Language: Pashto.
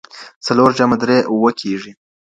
څلور جمع درې؛ اوه کېږي.